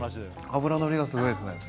脂のりがすごいすね